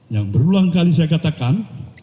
yang berulang kali saya katakan